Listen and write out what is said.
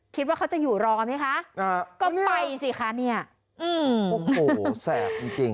คิดว่าเขาจะอยู่รอไหมคะก็ไปสิคะเนี่ยโอ้โหแสบจริงจริง